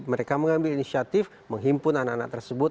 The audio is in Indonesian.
mereka mengambil inisiatif menghimpun anak anak tersebut